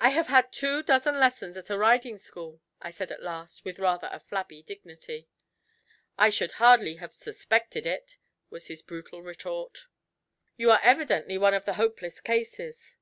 'I have had two dozen lessons at a riding school,' I said at last, with rather a flabby dignity. 'I should hardly have suspected it,' was his brutal retort. 'You are evidently one of the hopeless cases.'